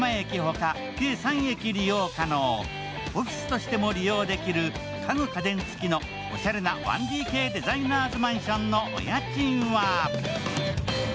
オフィスとしても利用できる家具家電付きのおしゃれな１ＤＫデザイナーズマンションのお家賃は？